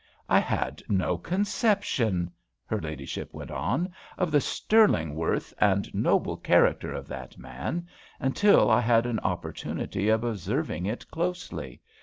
"I had no conception," her ladyship went on, "of the sterling worth and noble character of that man until I had an opportunity of observing it closely.